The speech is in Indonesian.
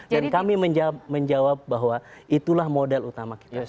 dan kami menjawab bahwa itulah modal utama kita